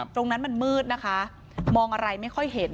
ตรงนั้นมันมืดนะคะมองอะไรไม่ค่อยเห็น